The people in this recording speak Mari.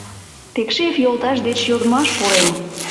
— Пекшиев йолташ деч йодмаш пурен.